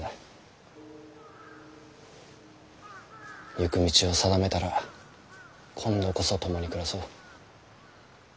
行く道を定めたら今度こそ共に暮らそう。